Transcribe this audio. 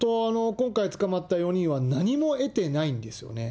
本当、今回捕まった４人は何も得てないんですよね。